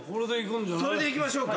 それでいきましょうか。